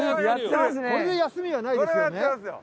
これで休みはないですよね。